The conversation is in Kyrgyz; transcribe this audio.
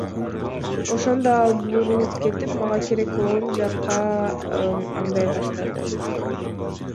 Ошондо ал бурулуп кетип, мага керек болгон жакка айдай баштады.